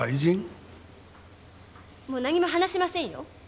もう何も話しませんよ。